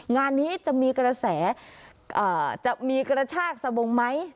งานนี้จะมีกระแสจะมีกระชากสบงไหม